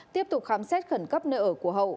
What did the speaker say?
tiếp tục khám xét khẩn cấp nơi ở của hậu